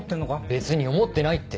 別に思ってないって。